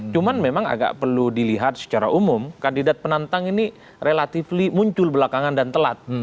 cuman memang agak perlu dilihat secara umum kandidat penantang ini relatively muncul belakangan dan telat